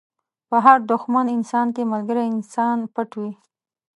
په هر دښمن انسان کې ملګری انسان پټ وي.